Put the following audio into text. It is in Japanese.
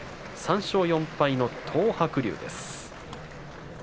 ３勝４敗の東白龍です。